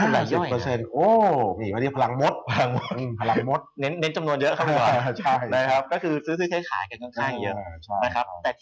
ถึงเป็นนักลงทุน